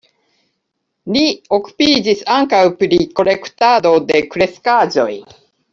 Li okupiĝis ankaŭ pri kolektado de kreskaĵoj.